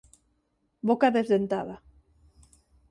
Boca desdentada.